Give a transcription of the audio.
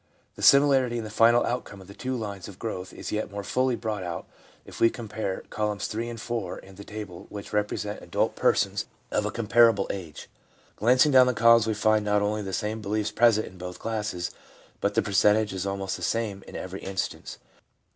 The similarity in the final outcome of the two lines of growth is yet more fully brought out if we compare columns three and four in the table which represent adult persons of a comparable age. Glancing down the columns, we find not only the same beliefs present in both classes, but the percentage is almost the same in every instance.